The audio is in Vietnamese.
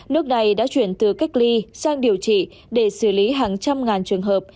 nước này đã chuyển từ cách ly sang điều trị để xử lý hàng trăm ngàn trường hợp